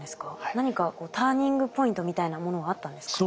何かターニングポイントみたいなものはあったんですか？